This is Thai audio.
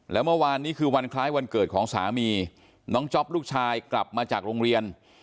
แล้วเมื่อวานนี้คือวันคล้ายวันเกิดของสามีน้องจ๊อปลูกชายกลับมาจากโรงเรียน